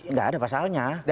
nggak ada pasalnya